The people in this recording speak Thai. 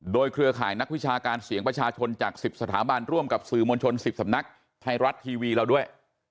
โดยเครือข่ายนักวิชาการเสียงประชาชนจาก๑๐สถาบันร่วมกับสื่อมวลชน๑๐สำนักไทยรัฐทีวีเราด้วย